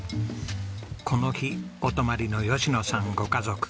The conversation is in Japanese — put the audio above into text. この日お泊まりの吉野さんご家族。